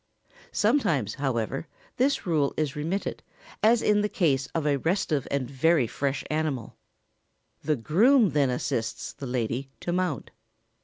Sometimes, however, this rule is remitted, as in the case of a restive and very fresh animal; the groom then assists the lady to mount.